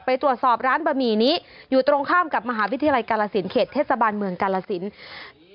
ไปตรวจสอบร้านบะหมี่นี้อยู่ตรงข้ามกับมหาวิทยาลัยกาลสินเขตเทศบาลเมืองกาลสิน